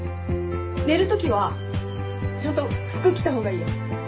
寝るときはちゃんと服着た方がいいよ。